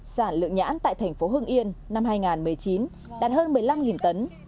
sản lượng nhãn tại thành phố hưng yên năm hai nghìn một mươi chín đạt hơn một mươi năm tấn